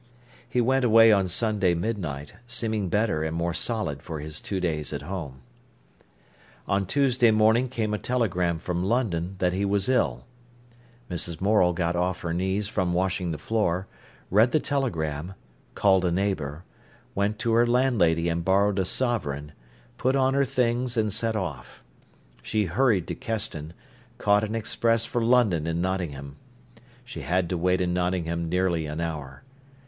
He went away on Sunday midnight, seeming better and more solid for his two days at home. On Tuesday morning came a telegram from London that he was ill. Mrs. Morel got off her knees from washing the floor, read the telegram, called a neighbour, went to her landlady and borrowed a sovereign, put on her things, and set off. She hurried to Keston, caught an express for London in Nottingham. She had to wait in Nottingham nearly an hour.